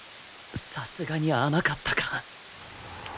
さすがに甘かったか